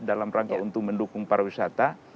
dalam rangka untuk mendukung pariwisata